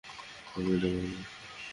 আমি এটাকে ভালোবাসি।